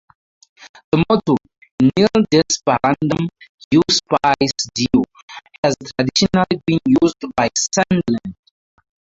The motto, Nil desperandum auspice Deo, has traditionally been used by Sunderland.